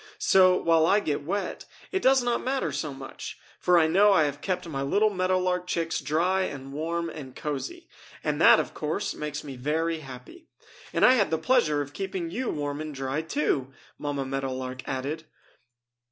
So, while I get wet, it does not matter so much, for I know I have kept my little Meadow Lark chicks dry and warm and cozy and that, of course, makes me very happy! And I had the pleasure of keeping you warm and dry, too!" Mamma Meadow Lark added.